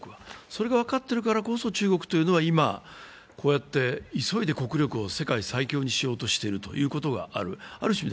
それが分かっているからこそ、中国というのは今、急いで国力を世界最強にしようとしてるということがある。